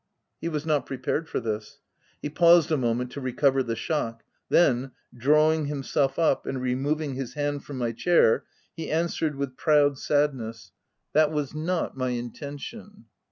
He was not prepared for this. He paused a moment to recover the shock ; then, drawing himself up and removing his hand from my chair, he answered, with proud sadness, — p 3 322 THE TENANT "That was not my intention."